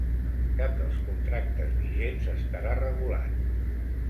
Cap dels contractes vigents estarà regulat.